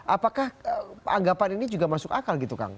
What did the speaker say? apakah anggapan ini juga masuk akal gitu kang